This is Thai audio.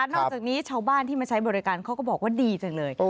นอกจากนี้ชาวบ้านที่มาใช้บริการเขาก็บอกว่าดีจังเลย